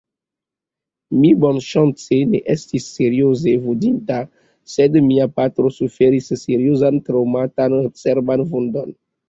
Mi bonŝance ne estis serioze vundita, sed mia patro suferis seriozan traŭmatan cerban vundon.